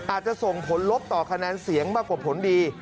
อาจจะส่งผลลบต่อคะแนนเสียงมากกว่าผลดี